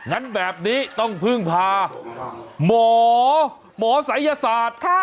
งั้นแบบนี้ต้องพึ่งพาหมอหมอศัยศาสตร์